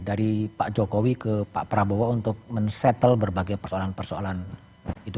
dari pak jokowi ke pak prabowo untuk men settle berbagai persoalan persoalan itu